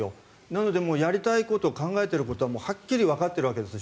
なので、やりたいこと考えてることははっきりとわかっているわけです。